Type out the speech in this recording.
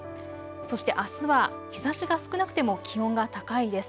そして、あすは日ざしが少なくても気温が高いです。